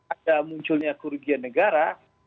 ada munculnya kerugian negara